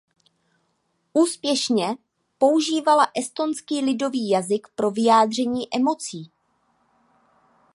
Úspěšně používala estonský lidový jazyk pro vyjádření emocí.